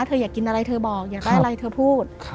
เธออยากกินอะไรเธอบอกอยากได้อะไรเธอพูด